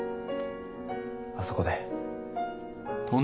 あそこで。